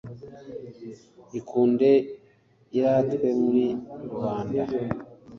Ikunde iratwe muri rubanda